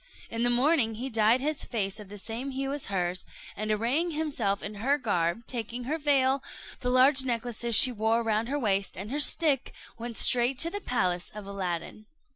In the morning he dyed his face of the same hue as hers, and arraying himself in her garb, taking her veil, the large necklace she wore round her waist, and her stick, went straight to the palace of Aladdin.